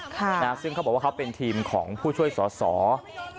ค่ะซึ่งเขาบอกว่าเขาเป็นทีมของผู้ช่วยสอสอท่านนะครับ